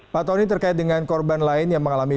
pak tony terkait dengan korban lain yang mengalami